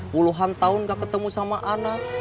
puluhan tahun gak ketemu sama anak